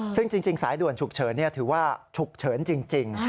ซึ่งจริงสายด่วนฉุกเฉินถือว่าฉุกเฉินจริง